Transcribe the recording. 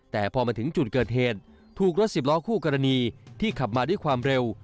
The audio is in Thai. แต่พอมาถึงจุดเกิดเหตุถูกรถสิบล้อคู่กรณีที่ขับมาด้วยความเร็ว